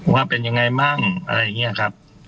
ว่าเป็นยังไงบ้างอะไรอย่างนี้ครับ